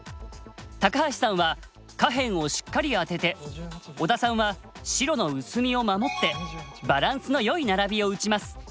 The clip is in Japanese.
橋さんは下辺をしっかりアテて小田さんは白の薄みを守ってバランスのよいナラビを打ちます。